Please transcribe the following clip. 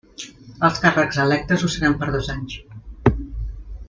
Els càrrecs electes ho seran per dos anys.